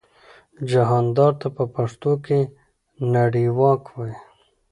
جهاندار ته په پښتو کې نړیواک وايي.